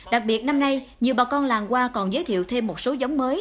đặc biệt năm nay nhiều bà con làng hoa còn giới thiệu thêm một số giống mới